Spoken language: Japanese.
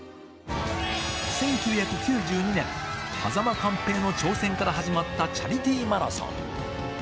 １９９２年、間寛平の挑戦から始まったチャリティーマラソン。